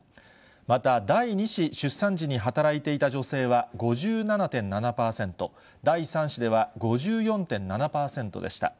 また第２子出産時に働いていた女性は５７．７％、第３子では５４．７％でした。